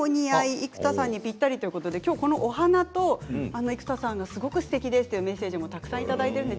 生田さんにぴったりということで今日このお花と生田さんがすごくすてきですというメッセージもたくさんいただいています。